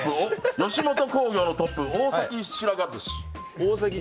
吉本興業のトップ、大崎白髪寿司。